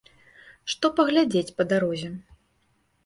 Што паглядзець па дарозе?